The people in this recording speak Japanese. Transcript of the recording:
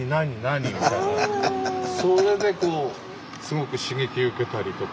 それですごく刺激受けたりとか。